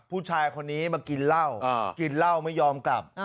ผู้ชายคนนี้มากินเหล้ากินเหล้าไม่ยอมกลับ